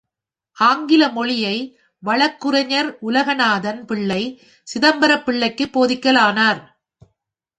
ஆங்கில மொழியை வழக்குரைஞர் உலகநாதன் பிள்ளை சிதம்பரம் பிள்ளைக்குப் போதிக்கலானார்!